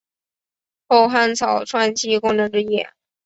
后汉草创期功臣之一。